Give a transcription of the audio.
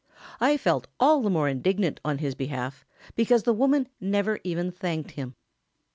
I felt all the more indignant on his behalf because the woman never even thanked him.